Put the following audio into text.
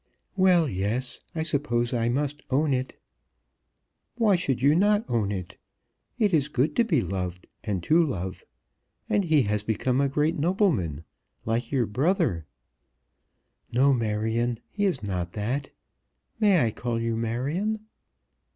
"Well, yes. I suppose I must own it." "Why should you not own it? It is good to be loved and to love. And he has become a great nobleman, like your brother." "No, Marion; he is not that. May I call you Marion?"